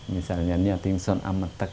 misalnya niat tingsun ametek